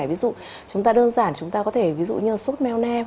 ví dụ chúng ta đơn giản chúng ta có thể như sốt mayonnaise